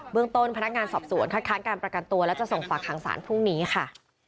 เมืองต้นพนักงานสอบสวนคัดค้านการประกันตัวและจะส่งฝากหางศาลพรุ่งนี้ค่ะ